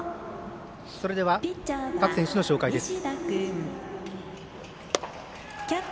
それでは、各選手の紹介です。